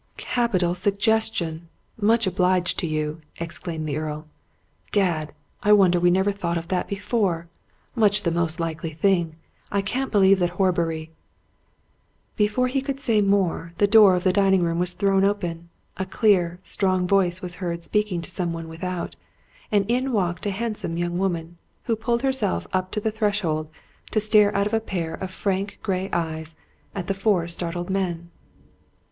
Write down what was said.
"Capital suggestion! much obliged to you," exclaimed the Earl. "Gad! I wonder we never thought of that before! Much the most likely thing. I can't believe that Horbury " Before he could say more, the door of the dining room was thrown open, a clear, strong voice was heard speaking to some one without, and in walked a handsome young woman, who pulled herself up on the threshold to stare out of a pair of frank grey eyes at the four startled men.